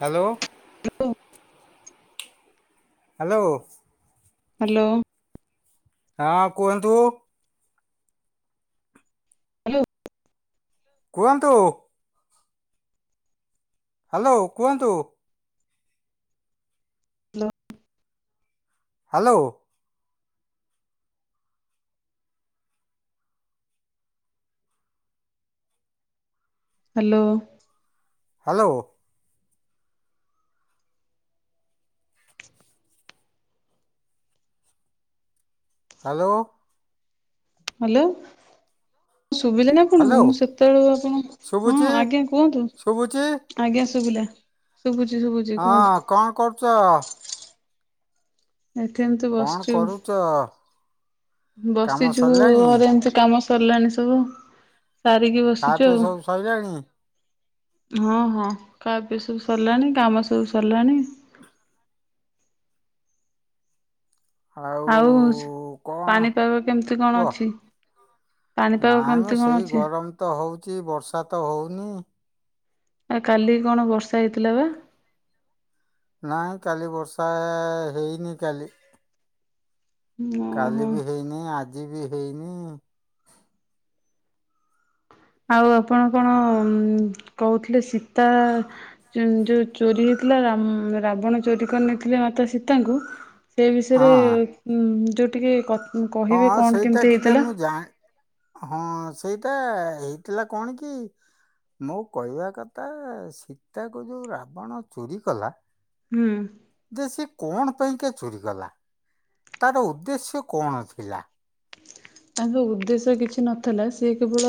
Hello. Hello. Hello. ହଁ କୁହନ୍ତୁ। Hello. କୁହନ୍ତୁ। ହାଲୋ କୁଅନ୍ତୁ? Hello. Hello. Hello. Hello. Hello. Hello. ହଁ ଶୁଭିଲା ନା ଆପଣଙ୍କୁ? ହ୍ୟାଲୋ ମୁଁ ସେତେବେଳ ଆପଣ ହଁ ଶୁଭୁଛି ଆଜ୍ଞା କୁହନ୍ତୁ ଶୁଭୁଛି ଆଜ୍ଞା ଶୁଭିଲା। [inaudible] ଶୁଭୁଛି ହଁ କୁହନ୍ତୁ କଣ କରୁଛ? ଏଠି ଏମତି କଣ ବସିଛୁ। କରୁଛ କାମ ବସିଛୁ ସରିଲାଣି ଘରେ ଏମିତି କାମ ସରିଲାଣି ସବୁ। ସାରିକି ଖାଇବା ବସିଛୁ ପିଇବା ଆଉ। ସବୁ ସରିଲାଣି ହଁ ହଁ କା ବି ସବୁ ସରିଲାଣି କାମ ସବୁ ସରିଲାଣି। ଆଉ କଣ ପାଣିପାଗ କେମିତି କଣ କୁହ ଅଛି, ପାଣିପାଗ କେମିତି କଣ ଅଛି? କିଛି ବର୍ଷା ତ ହଉନି। ଆ କାଲି କଣ ବର୍ଷା ହେଇଥିଲା ବା? ନାଇଁ କାଲି ବର୍ଷା ହେଇନି କାଲି। କାଲି ଓହୋ ବି ହେଇନି ଆଜି ଯିବି ହେଇନି। ଆଉ ଆ ଆପଣ କଣ? କହୁଥିଲେ ସୀତା ଯୋଉ ଚୋରି ହେଇଥିଲା ରାବଣ ଚୋରି କରିନେଇଥିଲେ ମାତା ସୀତାଙ୍କୁ ସେ ବିଷୟରେ ହଁ ଯଉ ଟିକି କ କହିବେ ହଁ କଣ ସେଇଟା କେମିତି ଟିକେ ହେଇଥିଲା ମୁଁ ଜାଏ ହଁ। ସେଇଟା ହେଇଥିଲା କଣ କି ମୋ କହିବା କଥା ସୀତାକୁ ଯୋଉ ରାବଣ ଚୋରି କଲା। ହୁଁ ଯେ ସେ କଣ ପାଇଁକା ଚୋରି କଲା ତର ଉଦ୍ଦେଶ୍ୟ କଣ ଥିଲା? ତାଙ୍କ ଉଦ୍ଦେଶ୍ୟ କିଛି ନଥିଲା ସେି କେବଳ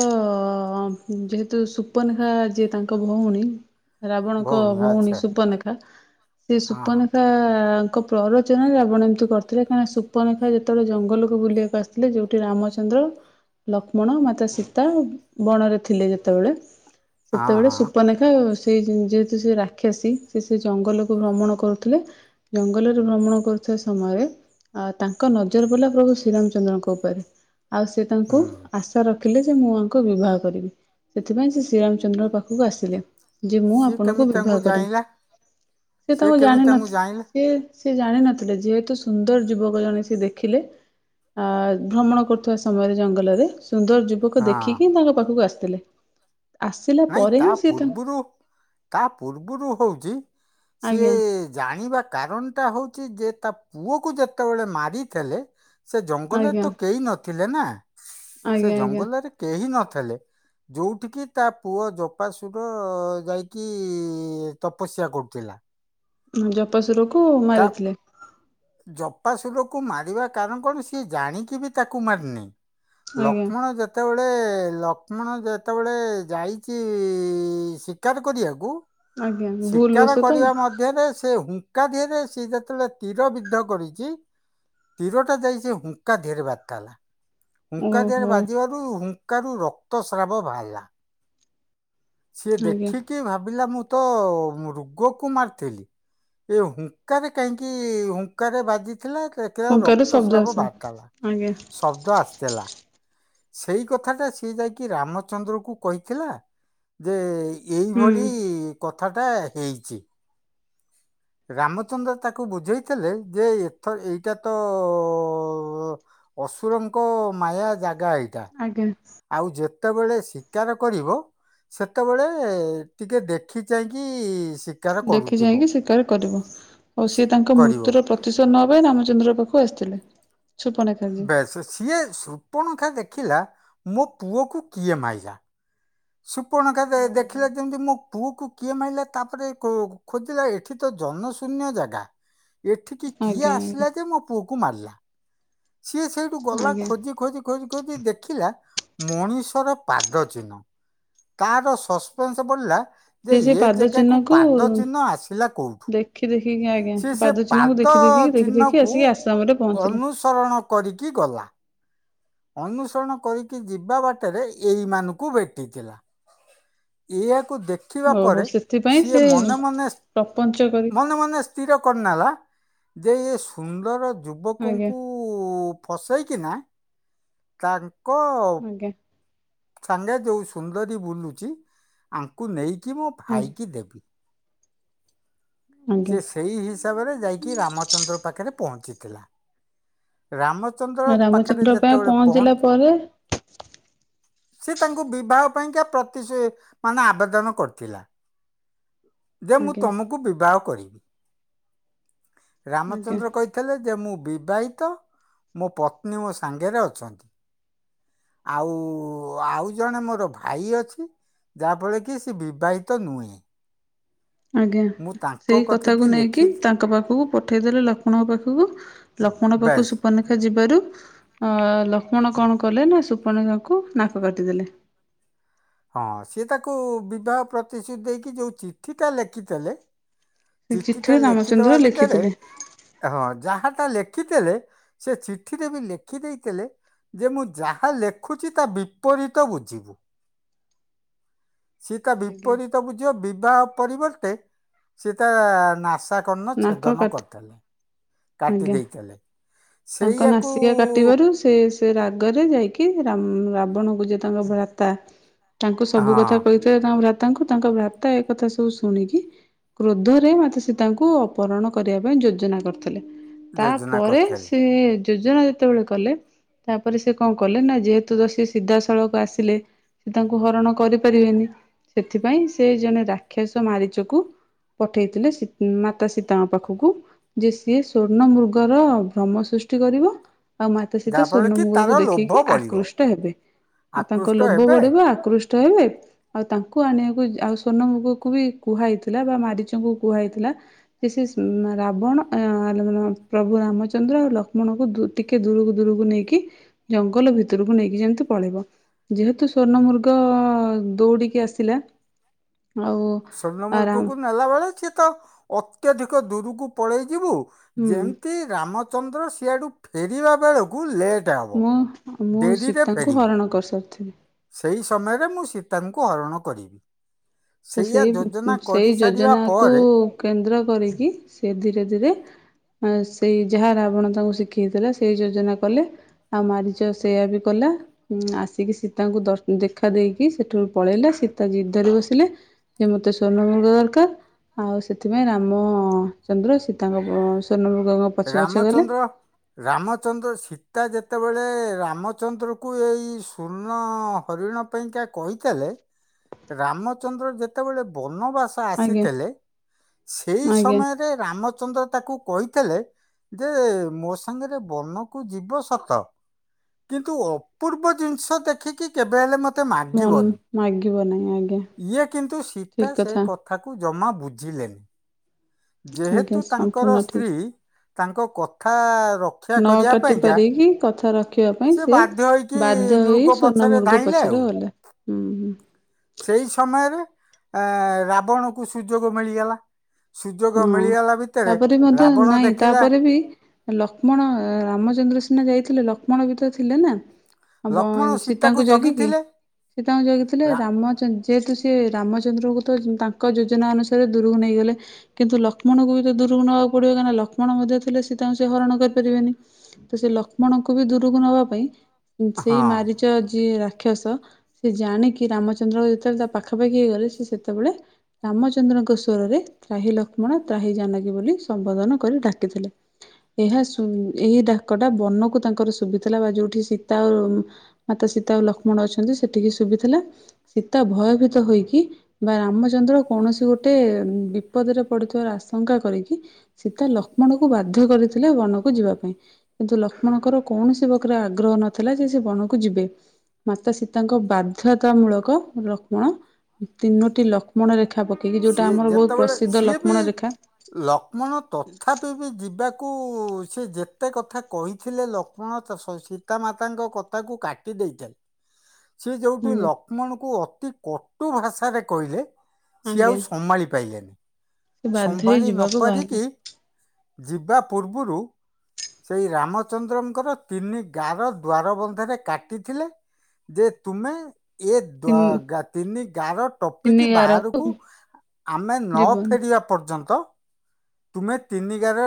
ଯେହେତୁ ସୁପନ ଖା ଯିଏ ତାଙ୍କ ଭଉଣୀ ରାବଣଙ୍କ ଭଉଣୀ ସୁପନେଖା ସେ ହଁ ସୁପନେଖା ତାଙ୍କ ପ୍ରରଚନରେ ରାବଣ ଏମିତି କରିଥିଲେ କାହିଁକି ସୁପନେଖା ଯେତେବେଳେ ଜଙ୍ଗଲକୁ ବୁଲକୁସିଥିଲେ ଯୋଉ ରାମଚନ୍ଦ୍ର ଲକ୍ଷ୍ମଣ ମାତା ସୀତା ବଣରେ ଥିଲେ ଯେତେବେଳେ ହଁ ସେତେବେଳେ ହଁ ସୁପନେଖା ସେ ଯେହେତୁ ସେ ରାକ୍ଷସୀ ସେ ସେ ଜଙ୍ଗଲକୁ ଭ୍ରମଣ କରୁଥିଲେ ଜଙ୍ଗଲରେ ଭ୍ରମଣ କରୁଥିବା ସମୟରେ ତାଙ୍କ ନଜର ପଇଲା ପ୍ରଭୁ ଶ୍ରୀରାମଚନ୍ଦ୍ରଙ୍କ ଉପରେ। ଆଉ ସେ ତାଙ୍କୁ ହୁଁ ଆଶା ର ଦେଖିଲେ ଯେ ମୁଁ ଆଙ୍କ ବିବାହ କରିବି ସେଥିପାଇଁ ସେ ଶ୍ରୀରାମଚନ୍ଦ୍ର ପାଖକୁ ଆସିଲେ। ଯେ ମୁଁ ସିଏ ଆପଣଙ୍କୁ କେମିତି ବିବାହ ତାଙ୍କୁ କରିବି ଜାଣିଲା ସେ ସିଏ ତାଙ୍କୁ କେମିତି ତାଙ୍କୁ ଜାଣିନଥ ଜାଣିଲା ସେ ସେ ଜାଣିନଥିଲେ ଯେହେତୁ ସୁନ୍ଦର ଯୁବକ ଜଣେ ସେ ଦେଖିଲେ ଆ ଭ୍ରମଣ କରୁଥିବା ସମୟରେ ଜଙ୍ଗଲରେ ସୁନ୍ଦର ଯୁବକ ହଁ ଦେଖିକି ତାଙ୍କ ପାଖକୁ ଆସି ଥିଲେ। ନାଇଁ ତା ପୂର୍ବରୁ ତା ପୂର୍ବରୁ ହଉଛି ସିଏ ଆଜ୍ଞା ଜାଣିବା କାରଣ ଟା ହଉଛି ଯେ ତା ପୁଅ କ ଯେତେବେଳେ ମାରିଥିଲେ। ସେ ଜଙ୍ଗଲରେ ଆଜ୍ଞା ତ କେହି ନ ଥିଲେ ନା। ସେ ଆଜ୍ଞା ଆଜ୍ଞା ଜଙ୍ଗଲରେ କେହି ନ ଥେଲେ ଯୋଉଠି କିି ତା ପୁଅ ଜପାସୁର ଯାଇକି ତପସ୍ୟା କରୁଥିଲା। ମୁ ଯପସ ର ତାପ ଜପ୍ ବାପାସୁରକୁ ମାରିବା କାରଣ କଣ ସିଏ ଜାଣିକି ବି ତାକୁ ମାରିନିଁ ଆଜ୍ଞା। ଲକ୍ଷ୍ମଣ ଯେତେବେଳେ ଗେ ଲକ୍ଷ୍ମଣ ଯେତେବେଳେ ଯାଇଛି ଶିକାର କରିବାକୁ। ଆଜ୍ଞା ଭୁଲ ଶିକାର ବଶତଃ କରିବା ମଧ୍ୟରେ ସେ କାଦ ସିଏ ଯେତେବେଳେ ତୀର ବିଧ କରିଛି ତୀର ଟା ଯାଇ ସେ ହୁଙ୍କା ଧୀରେ ବାର୍ତା ହେଲା। ହୁଙ୍କା ଦେରେ ଓହୋ ବାଜିବାରୁ କୁ ରକ୍ତସ୍ରାବ ବାହାରିଲା। ସିଏ ଆଜ୍ଞା ଦେଖିକି ଭାବିଲା ମୁଁ ତ ରଗକୁ ମାରିଥିଲି ଏ ହୁଙ୍କାରେ କାହିଁକି ହୁଙ୍କାରେ ବାଜି ଦେଖ ଦେଖିଲ ହୁଙ୍କାରୁ ଶବ୍ଦ ରକ୍ତସ୍ରାବ ଆସିଲା। ବାହାରିଲା ଆଜ୍ଞା ଶବ୍ଦ ଆସିଥିଲା ସେଇ କଥା ଟା ସିଏ ଯାଇକି ରାମଚନ୍ଦ୍ରକୁ କହିଥିଲା ଯେ ହୁଁ ଏଇଭଳି କଥା। କଥାଟା ହେଇଛି। ରାମଚନ୍ଦ୍ର ତାକୁ ବୁଝେଇଥିଲେ ଯେ ଏଥର ଏଇଟା ତ ଅସୁରଙ୍କ ମାୟା ଜାଗା ଏଇ ଆଜ୍ଞା। ଆଉ ଯେତେବେଳେ ଶିକାର କରିବ ସେତେବେଳେ ଟିକେ ଦେଖି ଚାହିଁକି ଶିକାର ଦେଖି କରୁଥିବ ଯାଇଁକି ଶିକାର କରିବ ଆଉ ସିଏ ସେ- ତାଙ୍କ କରିବ ମୃତ୍ୟୁର ପ୍ରତିଶୋଧ ନବା ପାଇଁ ରାମଚନ୍ଦ୍ର ପାଖକୁ କୁ ଆସିଥିଲେ। ସୁପର୍ଣ୍ଣେଖାଜି ବେଶ୍ ସିଏ ଶୂପଣେଖା ଦେଖ ଦେଖିଲା ମୋ ପୁଅକୁ କିଏ ମାରଲା। ସୁପ୍ ସୂପଣେଖା ଓହୋ ଦେଖିଲେ ଯେମିତି ମୋ ପୁଅକୁ କିଏ ମାରିଲା ତାପରେ ଖୋଜିଲା ଏଠି ତ ଜନ ଶୂନ୍ୟ ଜାଗା। ଏଠିକି କିଏ ଆଜ୍ଞା ଆଜ୍ଞା ଆସିଲା ଯେ ମୋ ପୁଅ କୁ କୁ ମାରିଲା। ସିଏ ସେଇଠୁ ଗଲା ଆଜ୍ଞା। ଖୋଜି ଖୋଜି ଖୋଜି। ଦେଖିଲା ମଣିଷର। ପାଦ ଚିହ୍ନ। ତାର ସସ୍ପେନ୍ସ ବଢି଼ଲା। ସେ ୟେ ସେ ଏ ପାଦ ଜାଗାକୁ ଚିହ୍ନକୁ ପାଦ ଚିହ୍ନ ଆସିଲା କୋଉଠୁ। ଦେଖି ଦେଖିକି ଆଜ୍ଞା ସି ସେ ଚିହ୍ନକୁ ପାଦ ଦେଖି ଦେଖିକି ଦେଖି ଦେଖି ଚିହ୍ନକୁ ଆସିକି ଆସାମରେ ପହଞ୍ଚିଲା। ଅନୁସରଣ କରିକି ଗଲା। ଅନୁସରଣ କରିକି ଯିବା ବାଟରେ ଏଇମାନଙ୍କୁ ଭେଟିଥିଲା। କୁ ଦେଖିବା ଓହୋ ପରେ ସେଥିପାଇଁ ସେ ସିଏ ମନେ ମନେ ପ୍ରପଞ୍ଚ କରି ମନେ ମନେ ସ୍ଥିର କରିନେଲା। ଯେ ଏ ସୁନ୍ଦର। ଆଜ୍ଞା ଯୁବକଙ୍କୁ ଫସେଇ। କି ନା। ତାର୍ କଫ୍। ଆଜ୍ଞା ସାଙ୍ଗେ ଯୋଉ ସୁନ୍ଦରୀ ବୁଲୁଚି ଆଙ୍କୁ ନେଇ। କି ମୋ ଭାଇ ଆଜ୍ଞା କିି ଦେବି। ଆଜ୍ଞା ସେ ସେଇ ହିସାବରେ ଯାଇକି ରାମଚନ୍ଦ୍ର ପାଖରେ ପହଞ୍ଚିଲେ। ରାମ। ରାମଚନ୍ଦ୍ର ପାଇଁ ପହଞ୍ଚିଲା ପରେ ସେ ତାଙ୍କୁ ବିବାହ ପାଇଁକା ପ୍ରତିଶ ମାନେ ଆବେଦନ କରିଥିଲା। ଯେ ମୁଁ ଆଜ୍ଞା ତମକୁ ବିବାହ କରିବି। ଆଜ୍ଞା ରାମଚନ୍ଦ୍ର କହିଥିଲେ ଯେ ମୁଁ ବିବାହିତ ମୋ ପତ୍ନୀ ମୋ ସାଙ୍ଗରେ ଅଛନ୍ତି ଆଉ ଆଉ ଜଣେ ମୋର ଭାଇ ଅଛି ଯାହାଫଳରେ କି ସେ ବିବାହିତ ନୁହେଁ। ଆଜ୍ଞା ମୁଁ ତାଙ୍କ ସେଇ କତିକି କଥାକୁ ନେଇକି ଲେଖି ତାଙ୍କ ପାଖକୁ ପଠେଇଦେଲେ ଲକ୍ଷ୍ମଣଙ୍କ ପାଖକୁ ଲକ୍ଷ୍ମଣ ପାଖକୁ ବେଶ୍ ସୁପନେଖା ଯିବାରୁ ଅ ଲକ୍ଷ୍ମଣ କଣ କଲେ ନା ସୁପଣେଖାକୁ ନାକ କାଟିଦେଲେ। ହଁ ସିଏ ତାକୁ ବିବାହ ପ୍ରତିଶ୍ରୁତି ଦେଇକି ଯେଉ ଚିଠିଟା ଲେଖିଥିଲେ ସେ ଚିଠି ଟା ଚିଠିରେ ରାମଚନ୍ଦ୍ର ଲେଖିଦବା ଭିତରେ ଲେଖିଥିଲେ ହଁ ଯାହା ତା ଲେଖିଥେଲେ ସେ ଚିଠିରେ ବି ଲେଖି ଦେଇଥିଲେ ଯେ ମୁଁ ଯାହା ଲେଖୁଛି ତା ବିପରୀତ ବୁଝିବୁ ସେ ତା ଆଜ୍ଞା ବିପରୀତ ବୁଝିବ ବିବାହ ପରିବର୍ତ୍ତେ ସେ ତା ନାସ ତା କର୍ଣ୍ଣ ନାକ ଛେଦନ କାଟି କରିଥିଲେ। କାଟି ଆଜ୍ଞା ଦେଇଥିଲେ। ତାଙ୍କ ସେଇଆକୁ ନାସିକା କାଟିବାରୁ ସେ ସେ ରାଗରେ ଯାଇକି ରାମ୍ ରାବଣକୁ ଯେ ତାଙ୍କ ଭ୍ରାତା ତାଙ୍କୁ ସବୁ ହଁ କଥା କହିଥାଏ [unintelligible] ତାଙ୍କୁ ତାଙ୍କ ଭ୍ରତା ଏକ କଥା ସବୁ ଶୁଣିକି କ୍ରୋଧରେ ମାତା ସୀତାଙ୍କୁ ଅପହରଣ କରିବା ପାଇଁ ଯୋଜନା କରିଥିଲେ। ଯୋଜନା ତାପରେ କରିଥିଲେ। ସେ ଯୋଜନା ଯେତେବେଳେ କଲେ ତାପରେ ସେ କଣ କଲେ ନା ଯେହେତୁ ତ ସେ ସିଧାସଳଖ ଆସିଲେ ତାଙ୍କୁ ହରଣ କରିପାରିବେନି ସେଥିପାଇଁ ସେ ଜଣେ ରାକ୍ଷସ ମାରିଚକୁ ପଠେଇଥିଲେ ସୀତ୍ ମାତା ସୀତାଙ୍କ ପାଖକୁ ଯେ ସିଏ ସ୍ଵର୍ଣ୍ଣ ମୃଗର ଭ୍ରମ ସୃଷ୍ଟି କରିବ। ଆଉ ମାତା ସୀତା ଯାହାଫଳରେ ସ୍ୱର୍ଣ୍ଣ କି ମୁଗକୁ ତାର ଲୋଭ ଦେଖିକି ବଳିବ ଆକୃଷ୍ଟ ହେବେ ଆଉ ତାଙ୍କ ଆକୃଷ୍ଟ ଲୋଭ ହେବେ ବଢିବ ଆକୃଷ୍ [unintelligible] ଆଉ ତାଙ୍କୁ ଆଣିବାକୁ ଆଉ ସ୍ବର୍ଣ୍ଣ ମୃଗ କୁ ବି କୁହା ହେଇଥିଲା ବା ମାରିଚଙ୍କୁ କୁହାଇଥିଲା ଯେ ସେ ରାବଣ ଏ ଲ ଲ ପ୍ରଭୁ ରାମଚ ଚନ୍ଦ୍ର ଆଉ ଲକ୍ଷ୍ମଣଙ୍କୁ ଦୂ ଟିକେ ଦୂରକୁ ଦୂରକୁ ନେଇକି ଜଙ୍ଗଲ ଭିତରକୁ ନେଇକି ଯେମିତି ପଳେଇବ ଯେହେତୁ ସ୍ଵର୍ଣ୍ଣ ମୃଗ ଦଉଡ଼ିକି ଆସିଲା ଆଉ ସର୍ଣ୍ଣ ମୃଗ ଆରାମ କୁ ନଲାବେଳେ ଛି ତ ଅତ୍ୟଧିକ ଦୂରକୁ ପଳେଇ ଯିବୁ ହୁଁ ଯେମିତି ରାମ ଚନ୍ଦ୍ର ସିଆଡ଼ୁ ଫେରିବା ବେଳକୁ ଲେଟ୍ ହେବ ମୁଁ ମୁଁ ସୀତାଙ୍କୁ ହରଣ କରିସାରିଥିବି। ସେଇ ସମୟରେ ମୁଁ ସୀତାଙ୍କୁ ହରଣ କରିବି। ତ ସେଇଆ ସେଇ ଯୋଜନା ସେଇ କରିସାରିବା ଯୋଜନାକୁ ପରେ କେନ୍ଦ୍ର କରିକି ସେ ଧୀରେ ଧୀରେ ସେଇ ଯାହା ରାବଣ ତାଙ୍କୁ ଶିଖେଇଥିଲେ ସେଇ ଯୋଜନା କଲେ ଆଉ ମାରିଚ ସେୟା ବି କଲା ଆସିକି ସୀତାଙ୍କୁ ଦ ଦେଖା ଦେଇକି ସେଠୁ ପଳେଇଲେ ସୀତା ଜିଦ୍‌ ଧରି ବସିଲେ ଯେ ମତେ ସ୍ଵର୍ଣ୍ଣ ମୃଗ ଦରକାର ଆଉ ସେଥିପାଇଁ ରାମ ଚନ୍ଦ୍ର ସୀତାଙ୍କ ସ୍ଵର୍ଣ୍ଣ ମୃ ରାମଚନ୍ଦ୍ର ରାମଚନ୍ଦ୍ର ସୀ ତା ଯେତେବେଳେ ରାମଚନ୍ଦ୍ରକୁ ଏଇ ସ୍ଵର୍ଣ୍ଣ ହରିଣ ପାଇଁକା କହିଥିଲେ ରାମଚନ୍ଦ୍ର ଯେତେବେଳେ ବନବାସ ସ ଆଜ୍ଞା ଆସିଥିଲେ ସେଇ ଆଜ୍ଞା ସମୟରେ ରାମ ଚନ୍ଦ୍ର ତାକୁ କହିଥିଲେ ଯେ ମୋ ସାଙ୍ଗରେ ବନକୁ ଯିବ ସତ କିନ୍ତୁ ଅପୂର୍ବ ଜିନିଷ ଦେଖିକି କେବେ ହେଲେ ମତେ ତ ମନ ମାଗିବିନି ମାଗିବ ନାହିଁ ଆଜ୍ଞା ଇଏ କିନ୍ତୁ ଠିକ ସୀତା ସେ କଥା କଥାକୁ ଜମା ବୁଝ ବୁଝିଲେ। ଆଜ୍ଞା ଯେହେତୁ ତାଙ୍କର ସମ୍ପୂର୍ଣ୍ଣ ଠିକ ସ୍ତ୍ରୀ ତାଙ୍କ କଥା ରକ୍ଷା ନ କରିବା କାଟି ପାଇଁକା ପାରିକି କଥା ରଖିବା ପାଇଁ ସେ ବାଧ୍ୟ ହୋଇକି ବାଧ୍ୟ ହେଇ ମୃଗ ସ୍ୱର୍ଣ୍ଣ ପଛରେ ମୂୃଗ ଧାଇଁଲେ ଆଉ ପଛରେ ଗଲା ହୁଁ। ଆ ରାବଣକୁ ସୁଯୋଗ ମିଳିଗଲା। ସୁଯୋଗ ହଁ ମିଳିଗଲା ଭିତରେ ତାପରେ ମଧ୍ୟ ରାବଣ ନାଇଁ ଦେଖିଲା ତାପରେ ବି ଲକ୍ଷ୍ମଣ ରାମଚନ୍ଦ୍ର ସିନା ଯାଇଥିଲେ ଲକ୍ଷ୍ମ କ୍ଷ୍ମଣ ବି ତ ଥିଲେ ନା। ଆଉ ବ ଲକ୍ଷ୍ମଣ ସୀତାକୁ ସୀତାଙ୍କୁ ଜଗିକି ଜଗିଥିଲେ ସୀତାଙ୍କୁ ଜଗିଥିଲେ ରା- ରାମଚ ଯେହେତୁ ସିଏ ରାମଚନ୍ଦ୍ରଙ୍କୁ ତ ତାଙ୍କ ଯୋଜନା ଅନୁସାରେ ଦୂରକୁ ନେଇଗଲେ କିନ୍ତୁ ଲକ୍ଷ୍ମଣଙ୍କୁ ବି ତ ଦୂରକୁ ନବାକୁ ପଡିବ କାଁ ନା ଲଷ୍ମଣ ମଧ୍ୟ ଥିଲେ ସୀ ତାଙ୍କୁ ସେ ହରଣ କରିପାରିବେନି ତ ସେ ଲକ୍ଷ୍ମଣଙ୍କୁ ବି ଦୂରକୁ ନବା ପାଇଁ ସେଇ ହଁ ମାରିଚ ଯିଏ ରା ରାକ୍ଷସ ସେ ଜାଣିକି ରାମଚନ୍ଦ୍ର ଯେତେବେଳେ ତା ପାଖା ପାଖି ହେଇ ଗଲେ ସେ ସେତେବେଳେ ରାମଚନ୍ଦ୍ରଙ୍କ ସ୍ୱରରେ ତ୍ରାହି ଲକ୍ଷ୍ମଣ ତ୍ରାହି ଜାନକୀ ବୋଲି ସମ୍ବୋଧନ କରି ଡାକିଥିଲେ ଏହା ସୁ ଏହି ଡାକଟା ବନକୁ ତାଙ୍କର ଶୁଭିଥିଲା ବା ଯୋଉଠି ସୀତା ଆ ମାତା ସୀତା ଓ ଲକ୍ଷ୍ମଣ ଅଛନ୍ତି ସେଠିକି ଶୁଭିଥିଲା ସୀତା ଭୟଭୀତ ହୋଇକି ବା ରାମଚନ୍ଦ୍ର କୌଣସି ଗୋଟେ ବି ବିପଦରେ ପଡିୁଥିବାର ଆଶଙ୍କା କରିକି ସୀତା ଲକ୍ଷ୍ମଣକୁ ବାଧ୍ୟ କରିଥିଲେ ବନକୁ ଯିବା ପାଇଁ କିନ୍ତୁ ଲକ୍ଷ୍ମଣଙ୍କର କୌଣସି ପ୍ରକାରରେ ଆଗ୍ରହ ନଥିଲା ଯେ ସେ ବନକୁ ଯିବେ ମାତା ସୀତାଙ୍କ ବା ବାଦ୍ଧତା ମୂଳକ ଲକ୍ଷ୍ମଣ ତିନୋଟି ଲକ୍ଷ୍ମଣ ରେଖା ପକେଇକି ଯୋଉଟା ସିଏ ଆମର ବହୁତ ଯେତେବେଳେ ପ୍ରସିଦ୍ଧ ସିଏ ବି ଲକ୍ଷ୍ମଣ ରେଖା ଲକ୍ଷ୍ମଣ ତଥାପି ବି ଯିବା କୁ ସେ ଯେତେ କଥା କହିଥିଲେ ଲକ୍ଷ୍ମଣ ସୀତାମାତାଙ୍କ କଥାକୁ କାଟି ଦେଇଥିଲେ ସ ଯୋଉ ଆଜ୍ଞା ଲକ୍ଷ୍ମଣ କୁ ଅତି କ କୋଉ ଭାଷାରେ କହିଲେ। ସି ଆଉ ଆଜ୍ଞା। ସମ୍ଭାଳି ପାଇଲେନି ସେ ବାଧ୍ୟ ହେଇ ସମ୍ଭାଳି ଯିବାକୁ ବାହାରିଲେ ନପାରିକି ଯିବା ପୂର୍ବ ପୂର୍ବରୁ ସେଇ ରାମଚନ୍ଦ୍ରଙ୍କର ତିନି ଗାର ଦ୍ୱାରବନ୍ଧରେ କାଟିଥିଲେ ଯେ ତୁମେ ଏ ତିନି ତିନି ଗାଁ ର ତିନି ଟୋପିକି ଗାରକୁ ବାହାରକୁ ଆମେ ନ ଯିବନି ଫେରିବା ପର୍ଯ୍ୟନ୍ତ ତୁମେ ତିନି ଗାର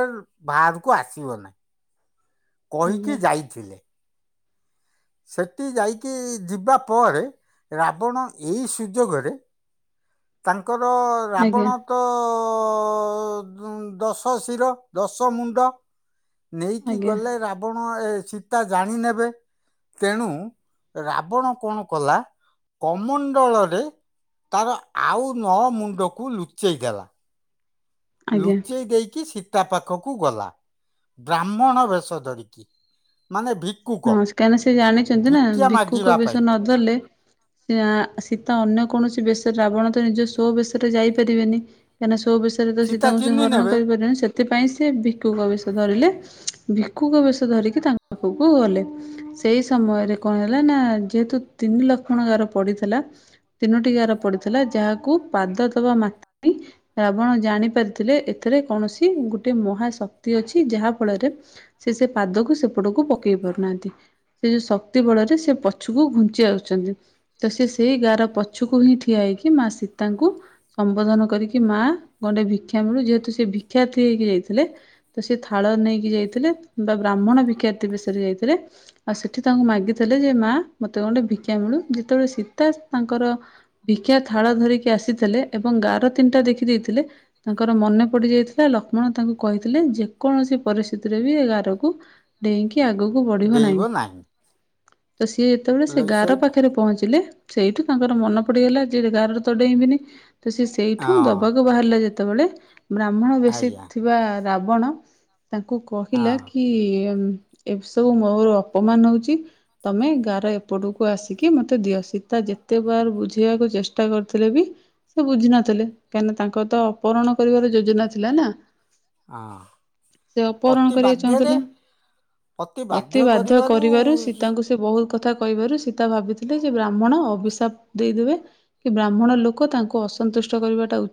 ବାହାରକୁ ଆସିବ ନାହି। କହିକି ଆଜ୍ଞା ଯାଇଥିଲେ। ସେଠି ଯାଇକି ଯିବା ପରେ ରାବଣ ଏଇ ସୁଯୋଗରେ ତାଙ୍କ ତାଙ୍କର ରାବଣ ଆଜ୍ଞା ତ ଦଶ ଶିର ଦଶ ମୁଣ୍ଡ। ନେଇକି ଆଜ୍ଞା ଗଲେ ରାବଣ ଏ ସୀତା ଜାଣି ନେବେ ତେଣୁ ରାବଣ କଣ କଲା କମଣ୍ଡଳରେ ତାର ଆଉ ନ ମୁଣ୍ଡକୁ ଲୁଚେଇ ଦେଲା। ଆଜ୍ଞା। ଲୁଚେଇ ଦେଇକି ଶୀତ ତା ପାଖକୁ ଗଲା ବ୍ରାହ୍ମଣ ବେଶ ଧରିକି ମାନେ ଭିକୁକ ହଁ କାହିଁକି ସେ ଜାଣିଛନ୍ତି ନା ଭିକ୍ଷା ଭକୁୁକ ମାଗିବା ବେଶ ପାଇଁ ନଧରିଲେ । ସେ ଶୀତ ଅନ୍ୟ କୌଣସି ବେଶରେ ରାବଣ ତ ନିଜ ସୋ ବେଶରେ ଯାଇପାରିବେନି କାହିଁକିନା ମାନେ ସବୁ ବିଷୟରେ ତ ସୀ ସୀତା ତାଙ୍କୁ ସେ ଚିହ୍ନି ହରଣ ନେବେ କରିପାରିବନି ସେଥିପାଇଁ ସେ ଭିଖୁକ ବିଷୟ ଧରିଲେ। ଭିକକୁୁକ ବେଶ ଧରିକି ତାଙ୍କ ପାଖକୁ କୁ ଗଲେ ସେଇ ସମୟରେ କଣ ହେଲା ନା ଯେହେତୁ ତିନି ଲକ୍ଷ୍ମଣ ଗାର ପଡ଼ିଥିଲା ତିନୋଟି ଗାର ପଡ଼ିଥିଲା ଯାହାକୁ ପାଦ ଦେବା ମ ରାବଣ ଜାଣି ପାରିଥିଲେ ଏଥିରେ କୌଣସି ଗୋଟେ ମହାଶକ୍ତି ଅଛି ଯାହା ଫଳରେ ସେ ସେ ପାଦକୁ ସେପଟକୁ ପକ େଇ ପାରୁନାହାନ୍ତି ସେ ଯୋଉ ଶକ୍ତି ବଳରେ ସେ ପଛୁକୁ ଘୁଞ୍ଚି ଆସୁଛନ୍ତି ତ ସେ ସେଇ ଗାଁର ପଛୁକୁ ହିଁ ଠିଆ ହେଇକି ମା ସୀତାଙ୍କୁ ସମ୍ବୋଧନ କରିକି ମା ଗଣ୍ଡେ ଭିକ୍ଷା ମିଳୁ ଯେହେତୁ ସେ ଭିକ୍ଷା ଥି ହେଇକି ଯାଇଥିଲେ ତ ସେ ଥାଳ ନେଇକି ଯାଇଥିଲେ ବା ବ୍ରାହ୍ମଣ ଭିକ୍ଷା ଥିବେ। ଯାଇଥିଲେ ଆଉ ସେଠି ତାଙ୍କୁ ମାଗିଥିଲେ ଯେ ମା ମତେ ଗୋଟେ ଭିକ୍ଷା ମିଳୁ ଯେତେବେଳେ ସୀତା ତାଙ୍କର ଭିକା ଥାଳ ଧରିକି ଆସିଥିଲେ ଏବଂ ଗାର ତିନିଟା ଦେଖି ଦେଇେଇଥିଲେ ତାଙ୍କର ମନେ ପଡିଯାଇଥିଲା ଲକ୍ଷ୍ମଣ ତାଙ୍କୁ କହିଥିଲେ ଯେକୌଣସି ପରିସ୍ଥିତିରେ ବି ଏ ଗାରକୁ ଡେଇଁକି କି ଆଗକୁ ବଢିବ ନାହିଁ। ତ ସିଏ ଯେତେବେଳେ ସେ ଲ- ଗାାର ସେଇ ପାଖରେ ପହଞ୍ଚିଲେ। ସେଇଠୁ ତାଙ୍କର ମନ ପଡିଗଲା ଯେ ଗାରେ ତଡେଇଁବିନି। ତ ସେ ସେଇଠୁ ହଁ ଦବାକ ବାହାରିଲା ଯେ ଯେତେବେଳେ ବ୍ରାହ୍ମଣ ବେଶୀ ଆଜ୍ଞା ଥିବା ରାବଣ। ତାଙ୍କୁ ହଁ କହିଲା କି [inaudible] ଏ ସବୁ ମୋର ଅପମାନ ହଉଛି ତମେ ଗାାର ଏପଟକୁ ଆସିକି ମତେ ଦିଅ ସୀତା ଯେତେ ବାର ବୁଝେଇବାକୁ ଚେଷ୍ଟା କରିଥିଲେ ବି ସେ ବୁଝିନଥିଲେ କାହିଁକିନା ତାଙ୍କ ତ ଅପହରଣ କରିବାର ଯୋଜନା ଥିଲା ନା। ହଁ ସେ ଅପହରଣ ଅତି କରିବାକୁ ବାଧ୍ୟରେ ଚାହୁଁଥିଲେ ଅତି ବାଧ୍ୟ କରିବାରୁ ସୀତାଙ୍କୁ ସେ ବହୁତ ବୋହୁତ କଥା କହିବାରୁ ସୀତା ଭାବିଥିଲେ ଯେ ବ୍ରାହ୍ମଣ ଅଭିଶାପ ଦେଇଦେବେ କି ବ୍ରାହ୍ମଣ ଲୋକ ତାଙ୍କୁ ଅସନ୍ତୁଷ୍ଟ କରିବାଟା ଉ